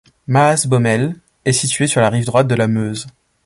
Maasbommel est situé sur la rive droite de la Meuse.